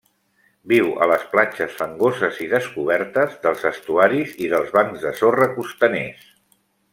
Viu a les platges fangoses i descobertes, dels estuaris i dels bancs de sorra costaners.